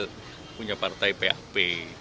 likuan yul punya partai php